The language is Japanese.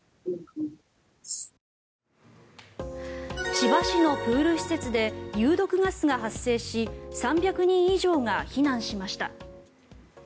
千葉市のプール施設で有毒ガスが発生し３００人以上が避難しました。